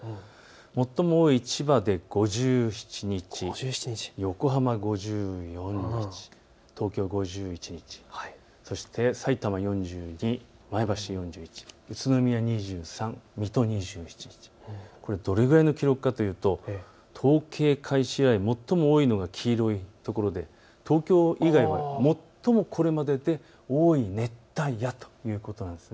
最も多い千葉で５７日、横浜５４日、東京５１日、そしてさいたま４２、前橋４１、宇都宮２３、水戸２７、これ、どれくらいの記録かというと統計開始以来、最も多いのは黄色い所で東京以外は最もこれまでで多い熱帯夜ということなんです。